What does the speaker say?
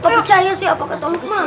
percaya sih apa ketemu ma